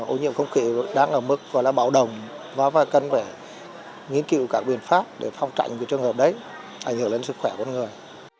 ô nhiễm không khí đáng ở mức gọi là bảo đồng và phải cần phải nghiên cứu các biện pháp để phong trạng cái trường hợp đấy ảnh hưởng đến sức khỏe của con người